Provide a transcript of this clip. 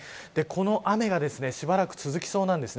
この雨がしばらく続きそうなんです。